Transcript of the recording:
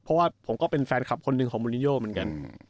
เพราะว่าผมก็เป็นแฟนคลับคนหนึ่งของมูลิโยเหมือนกัน